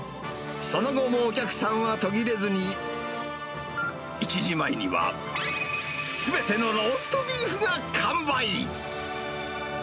その後もお客さんは途切れずに、１時前にはすべてのローストビーフが完売。